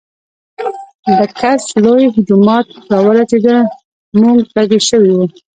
د کڅ لوے جومات راورسېدۀ مونږ تږي شوي وو